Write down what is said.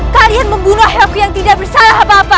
kalian membunuh aku yang tidak bersalah apa apa